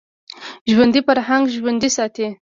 ژوندي فرهنګ ژوندی ساتي